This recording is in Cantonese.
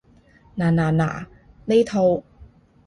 嗱嗱嗱，呢套